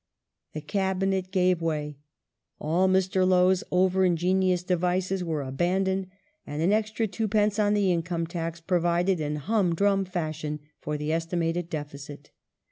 The Cabinet gavef way ; all Mr. Lowe's over ingenious devices were abandoned, and an extra 2d. on the income tax provided in hum drum fashion for the estimated deficit.